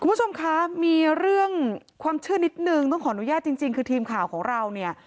คุณผู้ชมคะมีเรื่องความเชื่อนิดนึงต้องขออนุญาตจริงคือทีมข่าวของเราเนี่ย